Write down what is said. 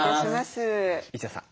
一田さん